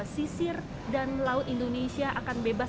sisir dan laut indonesia akan bebas